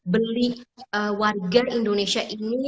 beli warga indonesia ini